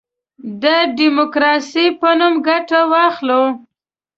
د ډیموکراسی په نوم ګټه واخلو.